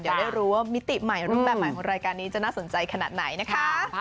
เดี๋ยวรู้ว่ามิติใหม่ของรายการนี้จะน่าสนใจขนาดไหนนะครับ